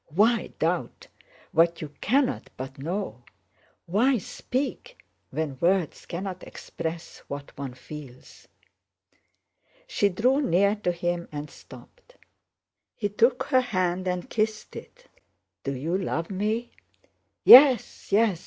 Why doubt what you cannot but know? Why speak, when words cannot express what one feels?" She drew near to him and stopped. He took her hand and kissed it. "Do you love me?" "Yes, yes!"